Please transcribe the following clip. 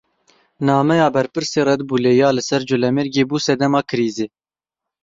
Nameya berpirsê Redbullê ya li ser Colemêrgê bû sedema krîzê.